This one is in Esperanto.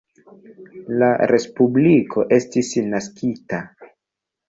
La respubliko estis naskita.